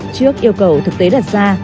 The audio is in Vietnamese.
trước yêu cầu thực tế đặt ra